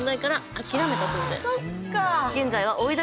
そっか。